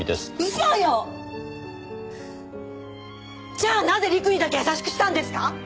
じゃあなぜ陸にだけ優しくしたんですか？